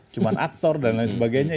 cuma aktor dan lain sebagainya